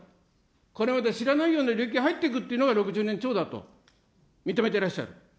これまで知らないようなに入っていくのが６０年超だと認めてらっしゃる。